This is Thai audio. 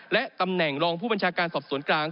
และตำแหน่งรองผู้บัญชาการสอบสวนกลาง